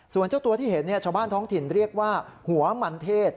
ส่วนเจ้าตัวที่เห็นชาวบ้านท้องถิ่นเรียกว่าหัวมันเทศ